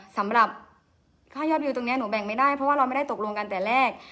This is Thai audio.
สำหรับค่ายอดวิวตรงนี้หนูแบ่งไม่ได้เพราะว่าเราไม่ได้ตกลงกันแต่แรก